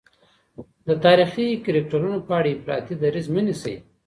د تاریخي کرکټرونو په اړه افراطي دریځ مه نیسئ.